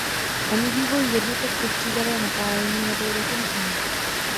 Ani vývoj jednotek pro střídavé napájení nebyl dokončen.